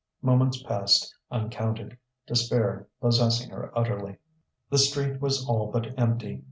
Moments passed uncounted, despair possessing her utterly. The street was all but empty.